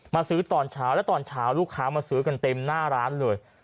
มาซื้อตอนเช้าและตอนเช้าลูกค้ามาซื้อกันเต็มหน้าร้านเลย